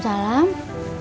bvesolok sih antya